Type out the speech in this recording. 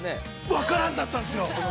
◆分からんかったんですよ。